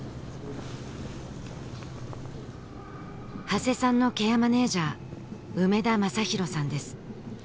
長谷さんのケアマネージャー梅田政宏さんです